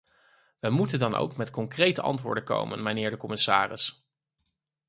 Wij moeten dan ook met concrete antwoorden komen, mijnheer de commissaris.